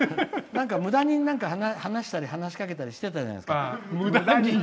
むだに話したり話しかけたりしてたじゃないですか。